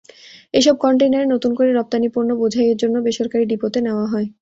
এসব কনটেইনারে নতুন করে রপ্তানি পণ্য বোঝাইয়ের জন্য বেসরকারি ডিপোতে নেওয়া হয়।